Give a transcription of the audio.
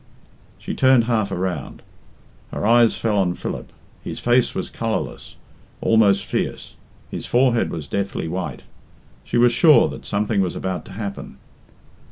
She turned half around. Her eyes fell on Philip. His face was colourless, almost fierce; his forehead was deathly white. She was sure that something was about to happen.